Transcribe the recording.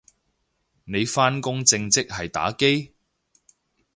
你返工正職係打機？